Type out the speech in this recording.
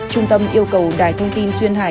trung tâm yêu cầu đài thông tin xuyên hải